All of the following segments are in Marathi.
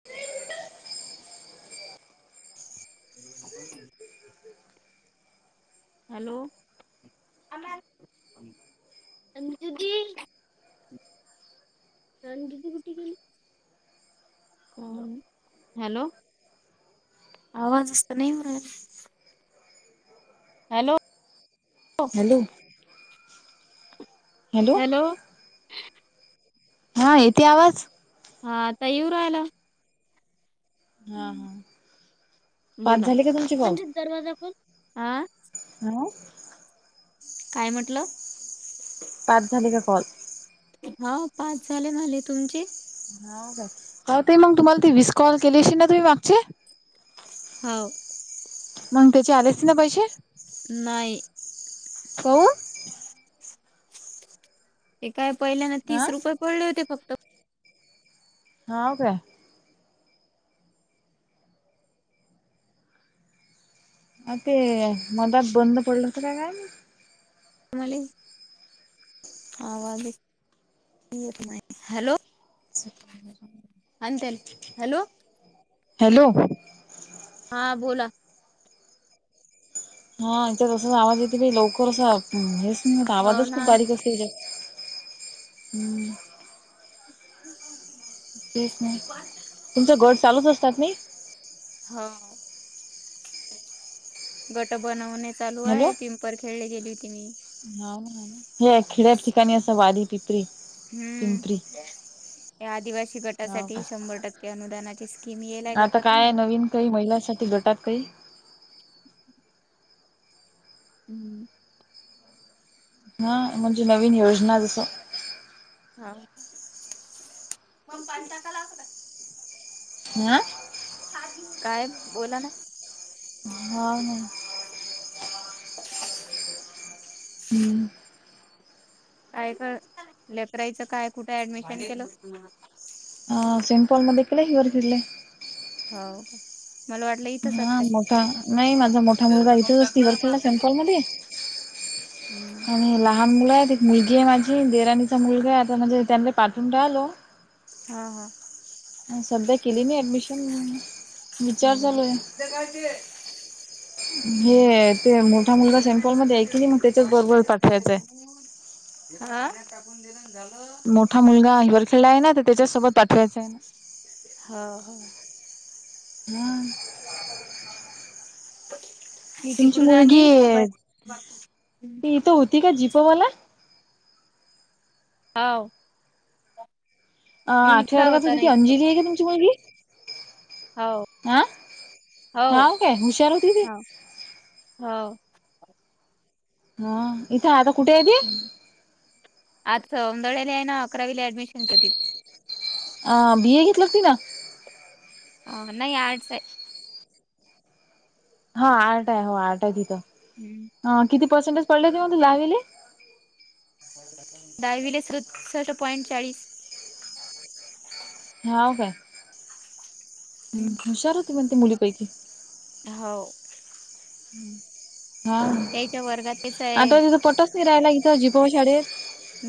[inaudible] [inaudible] हॅलो अंजुदीदी अंजु दि कुठे गेली कोण हॅलो आवाजच त नाही येवून राहिला. हॅलो हॅलो हॅलो हा येेते आवाज? हा आता येऊ राहिला. हा हा. पाच बोला. झाले का तुमचे कॉल म्हणजे दरवाजा पण हा ह काय म्हटलं? पाच झाले का कॉल? हा पाच झाले माले तुमचे. हाव काय हा तई मग तुम्हाला ते विस कॉल केले असेल ना तुम्ही मागचे. हाव. मंग त्याचे आले असतील ना पैशे. नाही. कौन हे काय पहिल्यांदा आ तीस रुपये पडले होते फक्त. हाव काय. आ ते मदात बंद पडलं होत का काय माहित? मले आवाजचं येत नाही हॅलो. आण त्याले हॅलो. हॅलो हां बोला. हा याच्यात असंच आवाज येतो बाई लवकर अस हेच नाही होत हो आवाजच खूप ना बारीक अस ह्यज्यात हम्म. [unintelligible] तेच ना तुमचं गट चालूच असतात नाई. हाव गट बनवणे चालू हॅलो आहे पिंपरखेळले गेली होती मी. हाव ना हे खेड़्याच्या ठिकाणी असं वारी पिपरी पिंपरी हम्म. या आदिवासी हो गटासाठी का शंभर टक्के अनुदानाची स्कीम येलय आता काय गटातून. नवीन काही महिलांसाठी गटात काही हम्म. हा म्हणजे नवीन योजना जसं हाव ना मग पाणी टाकायला असतो काय? आ काय बोला ना. हा हं हं. [inaudible] ना काय क लेकराईचं काय कुठे ऍडमिशन केलं? ह पिंपळमध्ये केल हिअर फिरले हाव का? मला वाटलं इ हा मोठा नाही माझा मोठा मुलगा इथेच असती वरखेडला सेमपल मध्ये. आणि लहान मुलय आहे ते मुलगी आहे माझी देराणीचा मुलगा आहे आता म्हणजे त्यांना पाठवून राहिलो. हा हा. सध्या केलीली मी ऍडमिशन. विचार हम्म चालू आहे धुतले काय ते. हे अ ते मोठा मुलगा सेम्पल मध्ये आहे की नाही मग त्याच्याच बरोबर पाठवायचंय. हा. मोठा मुलगा वरखेडला आहे ना तर त्याच्याचसोबत पाठवायच आहे. हा हा. हम्म. मी तुमची तिकडून मुलगी आली मोबाईल ती इथं होती का जिपवाला? हावं. अ आठवा वर्गाात होती ती अंजली आहे का तुमची मुलगी? हाव आ हो हाव काय हुशार होती कि ती हाव. हा इथं आता कुठे आहेे ती? आज सौदळ्याला आहे ना अकरावीला ऍडमिशन करतील. अ बी ए घेतलं तीनं. आ नाही आर्टस् आहे. हा आर्ट आहे हो आर्ट आहे तिथं. हम्म. हा किती पर्संटेज पडले तेव्हा तुला दहावीले? दहावीला सदुसष्ठ पॉइंट चाळीस. हाव काय हम हुशार होती पण ती मुलीपैकी. हाव. ह हा हं त्याच्या वर्गात तेच आता आहे तिथं पटचं नाई राहिला त्या जी प वा शाळेत.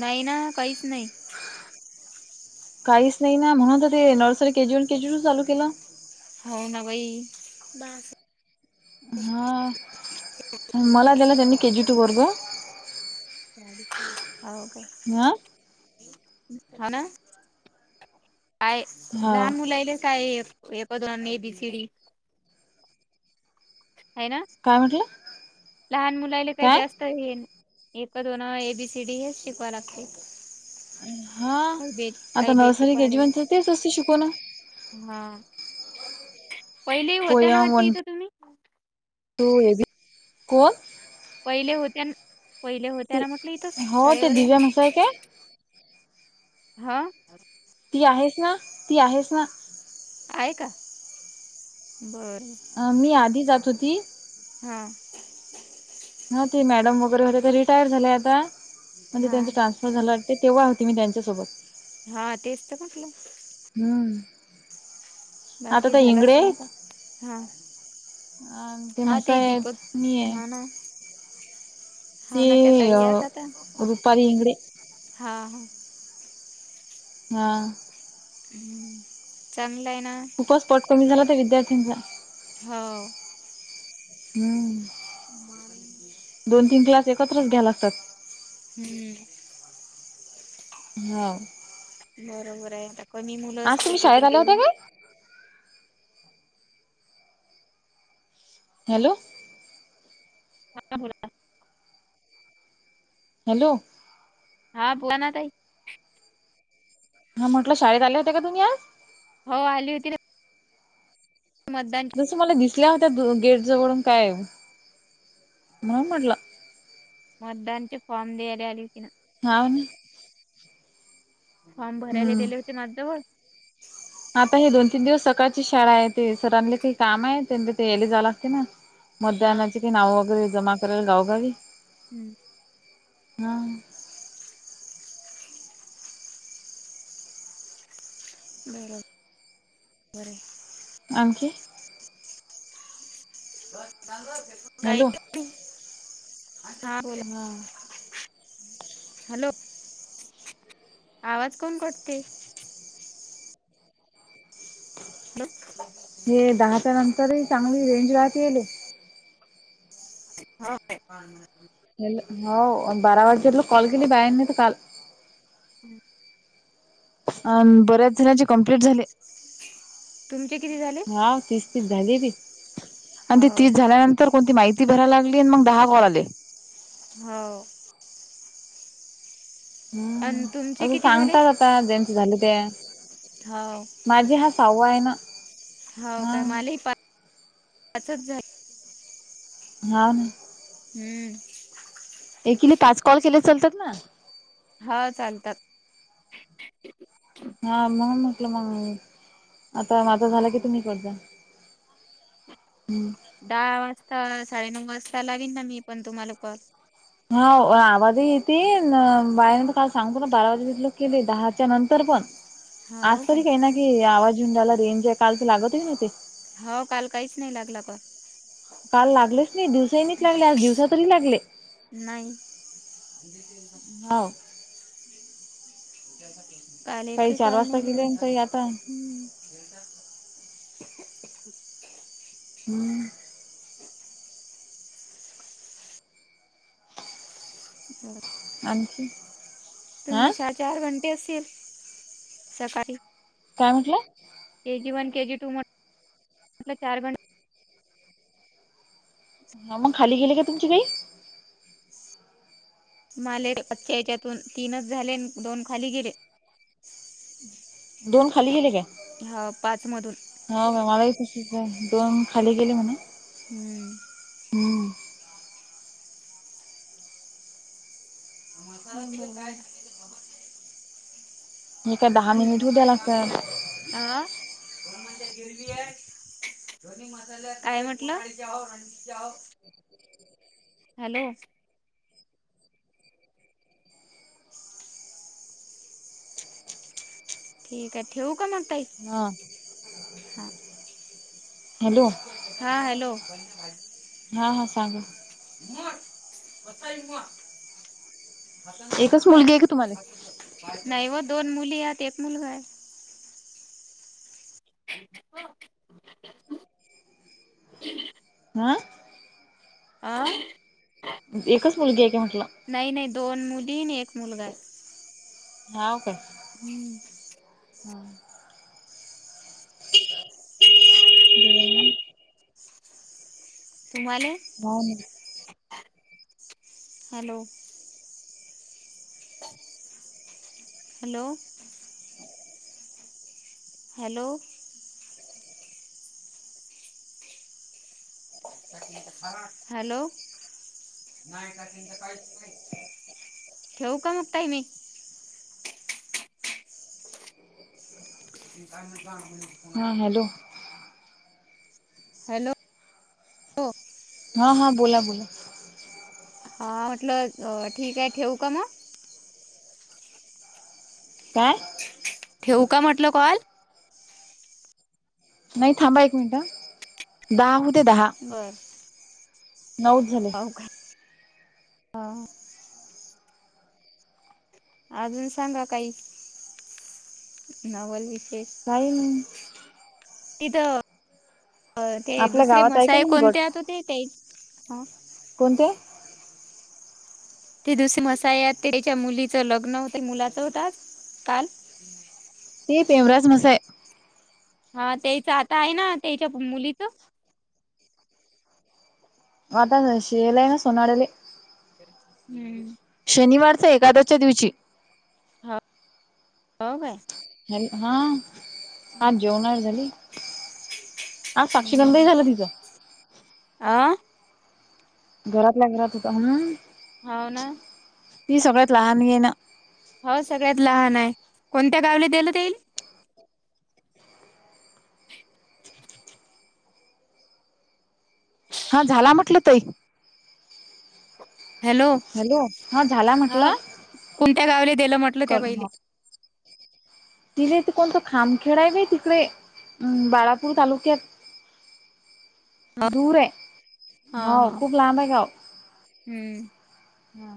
नाही ना काहीच नाही. काहीच नाही ना म्हणून तर ते nursery KG one KG two चालू केलं. हाव ना बाई. हा मला दिला त्यांनी केजी टू वर्ग. [inaudible] हाव का? आ हाव ना आहे हा लहान मुलांयले काय एक दोन अण ए बी सी डी. हाय ना काय म्हटलं लहान मुलाले काही काय जास्त तर ये एक दोन ए बी सी डी हेच शिकवाय लागते त अ हा आता बेचे नर्सरी पाडे केजीमध्ये तर तेच असते शिकवण. हा. पहिली ही होत्या ना वाटते इथं तुम्ही? तू हे बी कोण? पहिले होत्या न पहिले होत्या ती ना म्हटलं इथं हो ते शाळेवरे. दिव्या म्हसाय काय हा. ती आहेच ना ती आहेच ना. आहे का बर बर. अ मी आधी जात होती. हा. हा ते मॅडम वगैरे होत्या त्या रिटायर झाले आता म्हणजे हा त्यांच टान्स फर झालं वाटतय तेव्हा होती मी त्यांच्यासोबत. हा तेच तर म्हटलं. हम्म. आता बाकी त्या झाला इंगडे आहेत स्वयंपाक हा. हा ते म्हसाय दीपक आहेत मी आहे हा ना. हाव ते ना त्या ताई अ येत होत्या रुपाली इंगडे हा हा. हा. हम चांगलंय ना. खूपचं पट कमी झाला तर विद्यार्थींचा. हाव. हम्म दोन तीन क्लास एकत्रच घ्याय लागतात. हम्म. हा. बरोबर आहे आता कमी मुलं आज तुम्ही असतील शाळेत तर आल्या त्या होत्या काय? हॅलो हां बोला. हॅलो हा बोला ना ताई. हा म्हटलं शाळेत आल्या होते का तुम्ही आज? हो आली होती ना. मतदान तस मला दिसल्या होत्या गेट जवळून काय म्हणून म्हटलं. मतदानचे फॉर्म दियाला आली होती ना. हाव ना. फॉर्म भरायला हम्म. देले होते माझजवळ. आता हे दोन तीन दिवस सकाळचीचं शाळा आहे ते सरांले काही काम आहे त्यां ते यले जायला लागते ना. हा मतदानाचे कि नाव वगैरे जमा कराय [unintelligible] हम्म. हा. [inaudible] बरो बर हाय. आणखी? [unintelligible] हॅलो हा बोला. हा हॅलो, आवाज का म्हणून कटते? हॅलो हे दहाच्या नंतरही चांगली रेंज राहते येले. [unintelligible] हल हो आणि बारा वाजेतलं कॉल केली बायांनी तर काल हम्म. अ बऱ्याच जणांची कंप्लीट झाले. तुमचे किती झाले? हा तिस ती झाली की आणि ती हो तीस झाल्यानंतर कोणती माहित ती भराय लागली आणि मग दहा कॉल आले. हो. हम्म आणि तुमचे तसे किती झाले? सांगतात आता ज्यांच झालं ते. हाव. माझे हा सहावा आहे ना. हो हा काय? मलाही पा पाचच झाल. हा. हम्म. एकीले पाच कॉल केले चालतात ना? हा चालतात. हा मणून म्हटलं मग, आता माझ झालं की तुम्ही करत जा. हम्म. दहा वाजता, साडेनऊ वाजता लावीन ना मी पण तुम्हाला कॉल. हा व आवाज येते अन बायाने काल सांगतो ना बारा वाजे [unintelligible] केले दहाच्या नंतर पण. हाव आज काय? तरी काही ना काही आवाज येऊन राहिला रेंज आहे. काल तर लागतच न्हवते. हो काल काहीच नाही लागला का? काल लागलेच नाही, दिवसानीच लागले आज दिवसा तरी लागले. नाही. हाव काल काही एकही चार कॉल वाजता नाही गेले आणि झाला, काही आता हम्म. [unintelligible] [unintelligible] हम्म. [inaudible] झालं का? आणखी? हा तुमची चार [unintelligible] असेल सकाळी. काय म्हंटला? केजी वन, केजी टू [unintelligible] चार घन हा मग खाली गेले का तुमची काही? मालेर आजच्या याच्यातून तीनच झाले आन दोन खाली गेले. दोन खालीे गेले काय? हो, पाच मधून. हो बाई मलाही तसेच झाले, दोन खाली गेले म्हणे. हम्म. हम्म. [unintelligible] हे काय दहा मिनिट हो द्याय लागता. आ. काय म्हटलं? हॅलो. ठीक आहे, ठेव का मग ताई? हा हा. हॅलो हा हॅलो. हा हा सांगा. [unintelligible] एकच मुलगी आहे का तुम्हाला नाही ओ दोन मुली हायत, एक मुलगा हाय. हो. अं. आ एकच मुलगी आहे की म्हटलं. नाही नाही दोन मुली आणि एक मुलगा हाय. हाव काय, हा. [inaudible] तुम्हाले? हो ना हॅलो. हॅलो. हॅलो. हॅलो. ठेऊ का मग ताई मी? [unintelligible] हा, हॅलो. हॅलो [unintelligible] हा हा, बोला बोला. हा म्हटलं अ ठीक आहे ठेवू का मग? काय? ठेऊ का म्हटलं कॉल? नाही थांबा एक मिनटं हा, दहा होऊदे दहा. नऊच झाले हाव काय? हा. अजून सांगा काही, नवल विशेष. काही नाही. तिथं ते आपल्या दुसरे गावात आहे का मसाये, मग कोणते गट आत होते ते? कोणते? ते दुसरी मसाई आहेत तेच्या मुलीचं लग्न होतं की, मुलाचं होत आज काल. ते पेवराज मसाय. हा तेच आता आहे ना, तेच्या मुलीचं? आता शेयेले आयना सोनारले. हम्म. शनिवारचं एकादसच्या दिवशी. हा, हो काय. हॅलो, हा. आज हम्म जेवणाळ झाली? आज साक्षीगंधही झालं तिचं. आ? घरातल्या घरात होता हं. होव ना. ती सगळ्यात लहान येना. हो सगळ्यात लहान आहे, कोणत्या गावला दिल तेईल? हा झाला म्हटलं ताई. हॅलो, हॅलो हा झाला हा. म्हटलं कोणत्या गावले देलं म्हटलं त्या कर बाईले? तिले इथं कोणतं खामखेड आहे ना तिकडे बाळापूर तालुक्यात. [inaudible] दूर हा आहे हो हा खूप लांब आहे गावं. हम्म हा.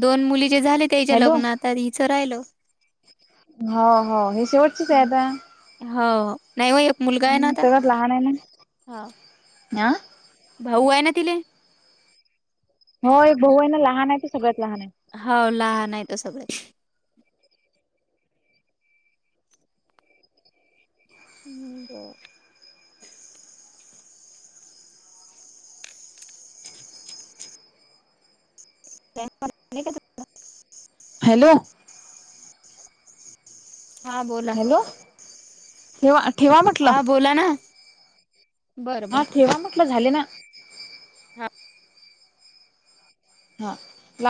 दोन मुली चे झाले त्याच्या लग्न आता हिचं राहिलं. हो, हो. ही शेवटचीच आहे आता. हो. नाही ओ एक मुलगा आहे ना हम् आता. आ? भाऊ आहे ना तिले. होय एक भाऊ आहे ना लहान आहे ते सगळ्यात लहान आहे. हो लहान आहे तो सगळ्यात. हम्म बर. [unintelligible] हॅलो. हा बोला, हॅलो ठेवा ठेवा म्हटलं हा बोला ना. बरं हा बरं ठेवा म्हटलं झाले ना. हा. हा.